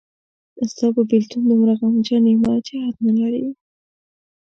ستا په بېلتون دومره غمجن یمه چې حد نلري